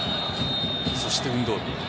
そして運動量。